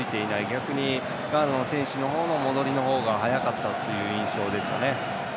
逆にガーナの選手の戻りの方が速かったという印象ですね。